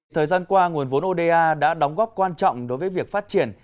thời gian qua nguồn vốn oda đã đóng góp quan trọng đối với việc phát triển